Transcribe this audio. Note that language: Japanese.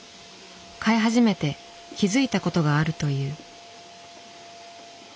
飼い始めて気付いたことがあるという。